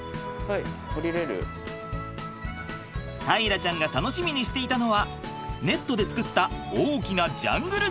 大樂ちゃんが楽しみにしていたのはネットで作った大きなジャングルジムです。